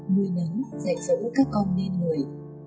người lớn dạy dấu các con nên người